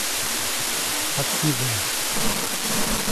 Caatiba